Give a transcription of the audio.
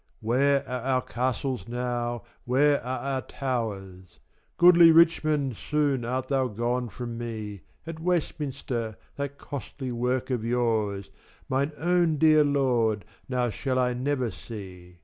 Where are our castles now, where are our towers? Goodly Richmond soon art thou gone from me; At Westminster, that costly work of yours, Mine own dear lord, now shall I never see.